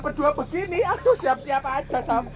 kedua begini siap siap saja